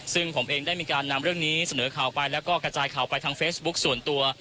ซึ่งผมเองได้มีการนำเรื่องนี้เสนอข่าวไปแล้วก็กระจายข่าวไปทางเฟซบุ๊คส่วนตัว